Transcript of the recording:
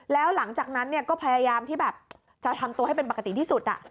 แล้วหลังจากนั้นก็พยายามที่แบบจะทำตัวให้เป็นปกติที่สุด